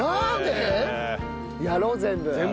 やろう全部！